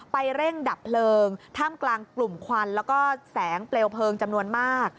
เร่งดับเพลิงท่ามกลางกลุ่มควันแล้วก็แสงเปลวเพลิงจำนวนมาก